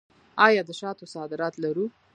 آیا د شاتو صادرات لرو؟